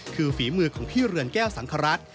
คือฝีมือของพี่เรือนแก้วสังครัฐ